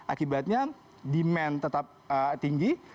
akibatnya demand tetap tinggi